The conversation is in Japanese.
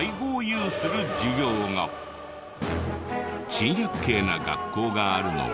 珍百景な学校があるのは。